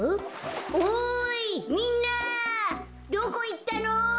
おいみんなどこいったの？